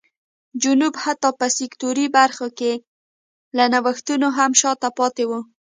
جنوب حتی په سکتوري برخو کې له نوښتونو هم شا ته پاتې و.